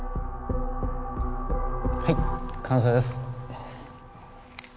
はい完成です。